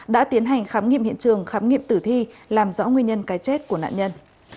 đã tiến hành khám nghiệm hiện trường khám nghiệm tử thi làm rõ nguyên nhân cái chết của nạn nhân